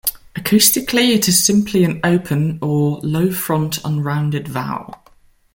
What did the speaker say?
Acoustically it is simply an "open" or "low front unrounded vowel".